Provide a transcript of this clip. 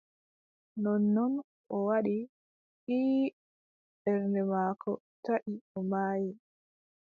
Nonnon o waɗi :« ii » ɓernde maako taʼi o maayi.